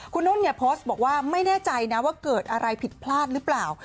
คุณนุ่นเนี่ยโพสต์บอกว่าไม่แน่ใจนะว่าเกิดอะไรผิดพลาดหรือเปล่า